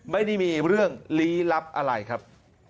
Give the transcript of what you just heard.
ไม่ได้มีเรื่องลี้ลับอะไรครับ